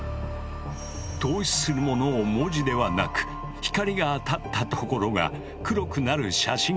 透視するものを文字ではなく光が当たった所が黒くなる写真